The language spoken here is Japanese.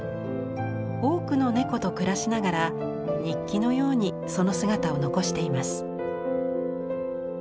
多くの猫と暮らしながら日記のようにその姿を残しています。